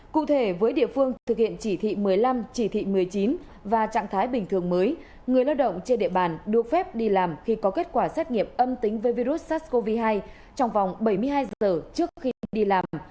cụ thể với địa phương thực hiện chỉ thị một mươi năm chỉ thị một mươi chín và trạng thái bình thường mới người lao động trên địa bàn được phép đi làm khi có kết quả xét nghiệm âm tính với virus sars cov hai trong vòng bảy mươi hai giờ trước khi đi làm